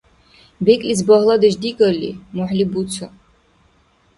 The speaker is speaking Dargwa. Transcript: БекӀлис багьладеш дигалли, мухӀли буца.